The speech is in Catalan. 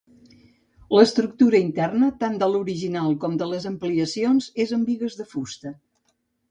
L'estructura interna, tant de l'original com de les ampliacions és amb bigues de fusta.